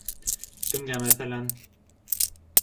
Кемгә, мәҫәлән?